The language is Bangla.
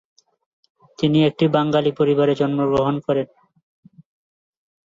তিনি একটি বাঙালি পরিবারে জন্ম গ্রহণ করেন।